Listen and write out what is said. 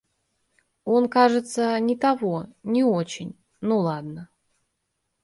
Он, кажется, не того… не очень… Ну ладно!